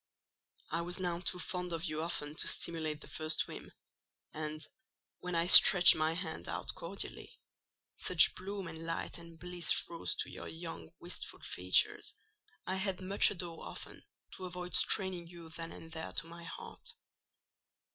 I was now too fond of you often to simulate the first whim; and, when I stretched my hand out cordially, such bloom and light and bliss rose to your young, wistful features, I had much ado often to avoid straining you then and there to my heart."